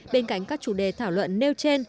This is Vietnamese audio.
bên cạnh các chủ đề thảo luận nêu trên